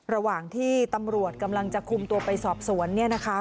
ระหว่างที่ตำรวจกำลังจะคุมตัวไปสอบสวนเนี่ยนะคะ